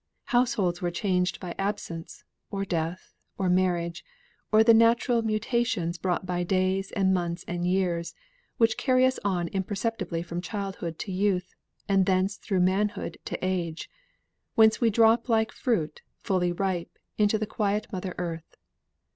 Households were changed by absence, or death, or marriage, or the natural mutations brought by days and months and years, which carry us on imperceptibly from childhood to youth, and thence through manhood to age, whence we drop like fruit, fully ripe, into the quiet mother earth.